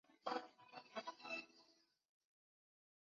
最后还说谢谢大家的配合